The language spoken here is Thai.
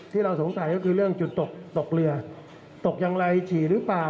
ที่เราสงสัยก็คือเรื่องจุดตกตกเรือตกอย่างไรฉี่หรือเปล่า